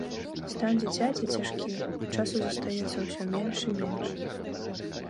Стан дзіцяці цяжкі, часу застаецца ўсё менш і менш.